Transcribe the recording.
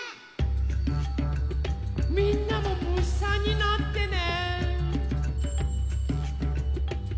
みんなもむしさんになってね。